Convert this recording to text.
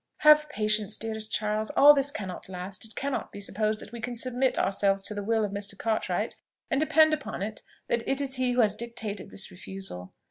"Have patience, dearest Charles! All this cannot last. It cannot be supposed that we can submit ourselves to the will of Mr. Cartwright: and depend upon it that it is he who has dictated this refusal.